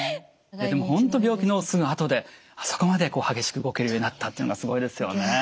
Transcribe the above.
でも本当病気のすぐあとであそこまで激しく動けるようになったっていうのがすごいですよね。